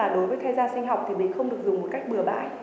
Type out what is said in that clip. đối với khai da sinh học thì mình không được dùng một cách bừa bãi